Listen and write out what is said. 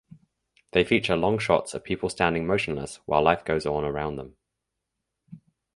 They feature long shots of people standing motionless while life goes on around them.